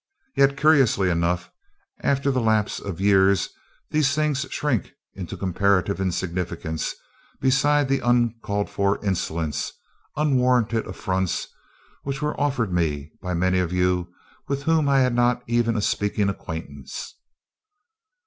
Yet, curiously enough, after the lapse of years these things shrink into comparative insignificance beside the uncalled for insolence, unwarranted affronts, which were offered me by many of you with whom I had not even a speaking acquaintance.